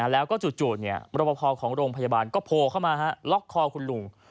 แล้วก็จู่มรปภของโรงพยาบาลก็โผล่เข้ามาล็อกคอคุณลุง